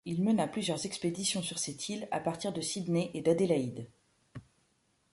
Il mena plusieurs expéditions sur cette île, à partir de Sydney et d'Adélaïde.